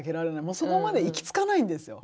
もうそこまで行きつかないんですよ。